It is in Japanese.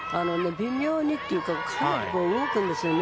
微妙にというかかなり動いてるんですよね